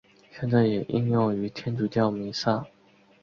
现在也应用于天主教弥撒。